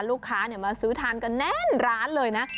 ลูกค้ามาซื้อทานกันแน่นร้านเลยนะ